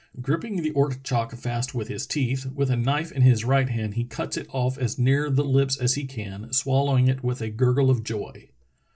Gripping the ortchok fast with his teeth, with a knife in his right hand he cuts it off as near the lips as he can, swallowing it with a gurgle of joy."